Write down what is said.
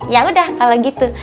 ya udah kalau gitu